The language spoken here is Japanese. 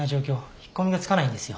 引っ込みがつかないんですよ。